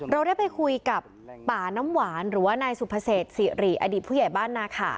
เราได้ไปคุยกับป่าน้ำหวานหรือว่านายสุภเศษสิริอดีตผู้ใหญ่บ้านนาขา